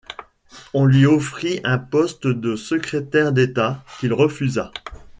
On lui offrit un poste de secrétaire d'État, qu'il refusa.